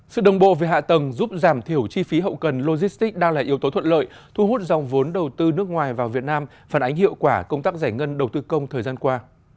sự đồng bộ về hạ tầng giúp giảm thiểu chi phí hậu cần logistics đang là yếu tố thuận lợi thu hút dòng vốn đầu tư nước ngoài vào việt nam phản ánh hiệu quả công tác giải ngân đầu tư công thời gian qua